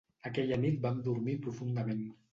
Aquella nit vam dormir profundament.